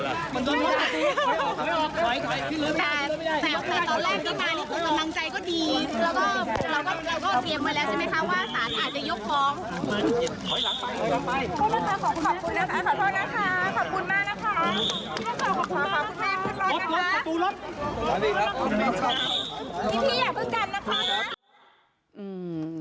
แล้วก็เรียบไว้แล้วใช่ไหมคะว่าศาลอาจจะยกพร้อม